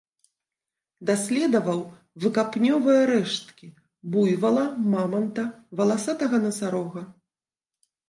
Даследаваў выкапнёвыя рэшткі буйвала, маманта, валасатага насарога.